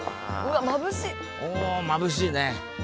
おまぶしいね！